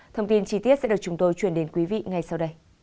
thông tin chi tiết sẽ được chúng tôi chuyển đến quý vị ngay sau đây